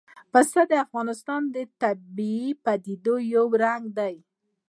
پسه د افغانستان د طبیعي پدیدو یو رنګ دی.